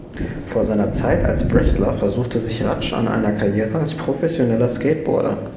Vor seiner Zeit als Wrestler versuchte sich Ratsch an einer Karriere als professioneller Skateboarder.